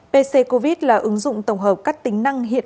pc covid là ứng dụng tổng hợp các tính năng hiện khả năng